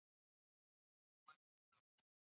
اوږده غرونه د افغانستان د جغرافیایي موقیعت پایله ده.